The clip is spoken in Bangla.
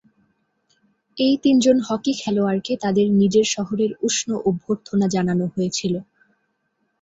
এই তিনজন হকি খেলোয়াড়কে তাদের নিজের শহরের উষ্ণ অভ্যর্থনা জানানো হয়েছিল।